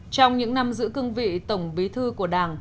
trong những năm giữ cương vị tổng bí thư của đảng